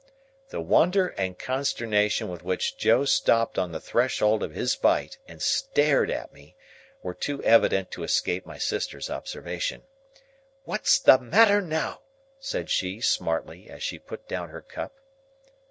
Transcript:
The wonder and consternation with which Joe stopped on the threshold of his bite and stared at me, were too evident to escape my sister's observation. "What's the matter now?" said she, smartly, as she put down her cup.